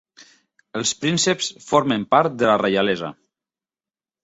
Els prínceps formen part de la reialesa.